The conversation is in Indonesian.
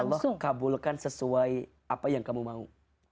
langsung kabulkan sesuai apa yang kamu mau